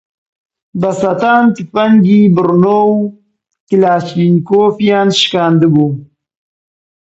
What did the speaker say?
بە سەتان تفەنگی بڕنۆ و کڵاشینکۆفیان شکاندبوو